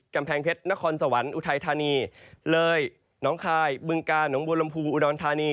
กำแพงเพ็ดนครสวรรค์อุทัยทานีเลยยน้องคายบึงกาหนูบุรมภูอุดนทานี